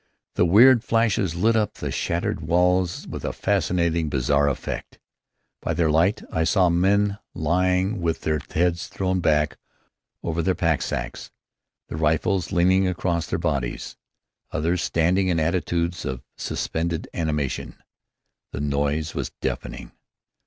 The weird flashes lit up the shattered walls with a fascinating, bizarre effect. By their light, I saw men lying with their heads thrown back over their pack sacks, their rifles leaning across their bodies; others standing in attitudes of suspended animation. The noise was deafening.